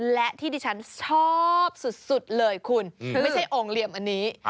และที่ดิฉันชอบสุดเลยคุณไม่ใช่องค์เหลี่ยมอันนี้